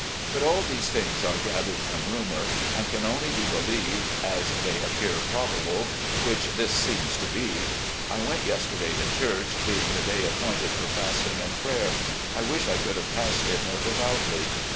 But all these things are gathered from rumovir, and can only be believed as they appear probable, which this seems to be. ... I went yesterday to church, being the day appointed for fasting and prayer. I wish I could have passed it more devoutly.